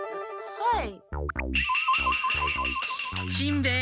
はい。